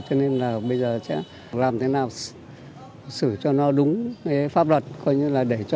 cho nên là bây giờ sẽ làm thế nào xử cho nó đúng pháp luật